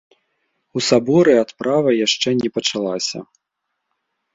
У саборы адправа яшчэ не пачалася.